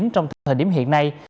trong thời điểm hiện nay